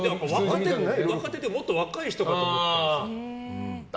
若手ってもっと若い人だと思ったんですよ。